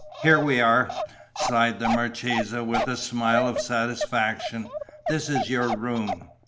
"Here we are!" sighed the marchesa, with a smile of satisfaction. "This is your room."